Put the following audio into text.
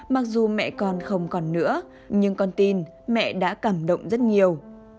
mặc dù mẹ con không còn nữa nhưng con tin mẹ đã cảm động rất nhiều